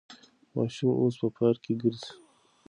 ماشومه اوس په پارک کې ګرځي.